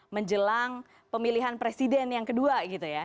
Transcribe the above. menjelang pemilihan presiden yang kedua gitu ya